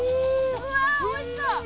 うわおいしそう！